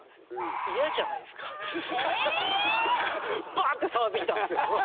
バーッて触ってきたんですよ。